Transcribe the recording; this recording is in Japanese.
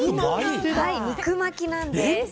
肉巻きなんです。